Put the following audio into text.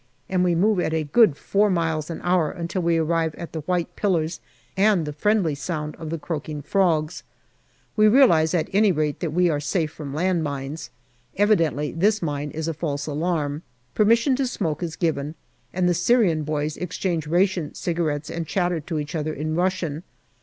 and we move at a good four miles an hour until we arrive at the white pillars and the friendly sound of the croaking frogs ; we realize at any rate that we are safe from land mines. Evidently this mine is a false alarm. Permission to smoke is given, and the Syrian boys exchange ration cigarettes and chatter to each other in Russian.